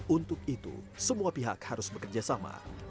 untuk itu semua pihak harus bekerja sama